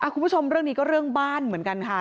คุณผู้ชมเรื่องนี้ก็เรื่องบ้านเหมือนกันค่ะ